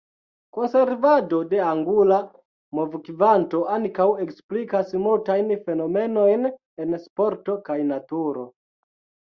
Konservado de angula movokvanto ankaŭ eksplikas multajn fenomenojn en sporto kaj naturo.